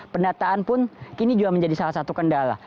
pendataan pun kini juga menjadi salah satu kendala